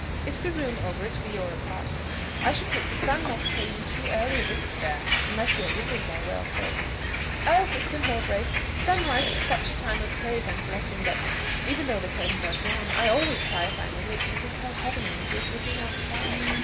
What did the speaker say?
If the room over it be your apartment, I should think the sun must pay you too early a visit there, unless your windows are well curtained." "Oh, Mr. Mowbray! Sunrise is such a time of praise and blessing, that, even though the curtains are drawn, I always try, if I am awake, to think how heavenly it is looking outside."